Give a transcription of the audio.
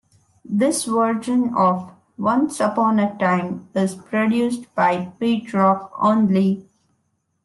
This version of "Once Upon a Time" is produced by Pete Rock only.